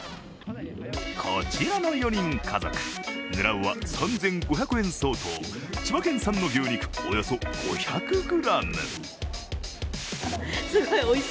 こちらの４人家族、狙うは３５００円相当千葉県産の牛肉およそ５００ｇ。